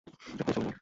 এক্ষুনি চলে যা!